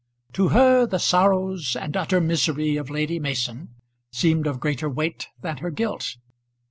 To her the sorrows and utter misery of Lady Mason seemed of greater weight than her guilt.